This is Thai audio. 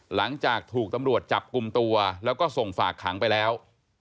หลังจากถูกตำรวจจับกลุ่มตัวแล้วก็ส่งฝากขังไปแล้ว